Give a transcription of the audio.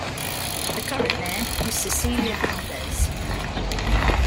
The current Mayor is Cecilia Valdez.